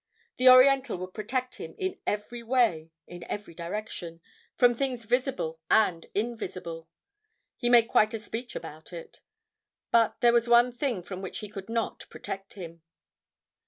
The Oriental would protect him, in every way, in every direction, from things visible and invisible. He made quite a speech about it. But, there was one thing from which he could not protect him.